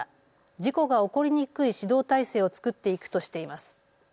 事故が起こりにくい指導体制を作っていくとしています。